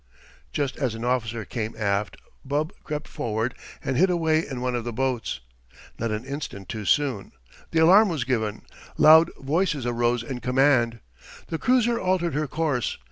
Just as an officer came aft, Bub crept forward, and hid away in one of the boats. Not an instant too soon. The alarm was given. Loud voices rose in command. The cruiser altered her course.